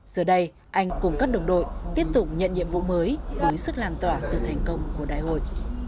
giờ đây anh cùng các đồng đội tiếp tục nhận nhiệm vụ mới với sức lan tỏa từ thành công của đại hội